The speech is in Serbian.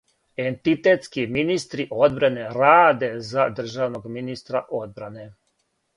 Ентитетски министри одбране раде за државног министра одбране.